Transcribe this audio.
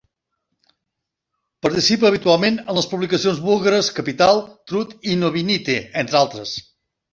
Participa habitualment en les publicacions búlgares Capital, Trud i Novinite, entre d'altres.